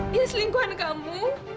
dia selingkuhan kamu